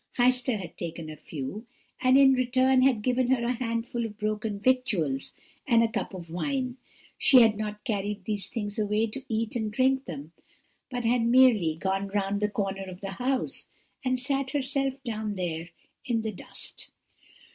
Heister had taken a few, and in return had given her a handful of broken victuals and a cup of wine; she had not carried these things away to eat and drink them, but had merely gone round the corner of the house, and sat herself down there in the dust.